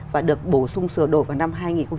và được bổ sung sửa đổi vào năm hai nghìn chín